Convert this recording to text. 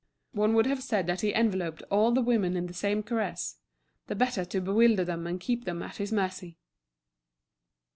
One would have said that he enveloped all the women in the same caress, the better to bewilder them and keep them at his mercy.